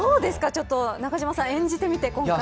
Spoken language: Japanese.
ちょっと、中島さん演じてみて。